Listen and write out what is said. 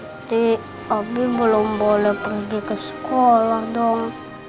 abi belum boleh pergi ke sekolah dong